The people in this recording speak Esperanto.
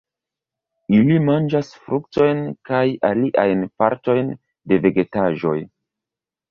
Ili manĝas fruktojn kaj aliajn partojn de vegetaĵoj.